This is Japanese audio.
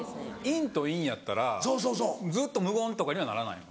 陰と陰やったらずっと無言とかにはならないの？